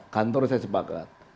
kantor saya sepakat